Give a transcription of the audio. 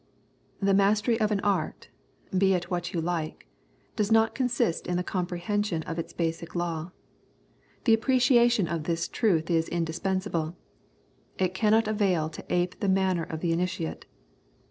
The mastery of an art be it what you like does but consist in the comprehension of its basic law. The appreciation of this truth is indispensable. It cannot avail to ape the manner of the initiate.